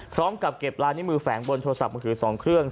พร้อมกับเก็บร้านที่มือแฝงบนโทรศัพท์มันคือสองเครื่อง